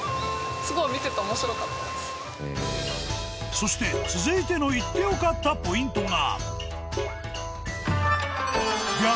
そして続いての行って良かったポイントが。